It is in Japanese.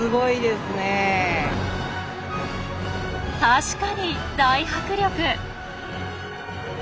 確かに大迫力。